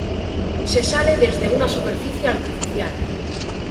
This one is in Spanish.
Se sale desde una superficie artificial.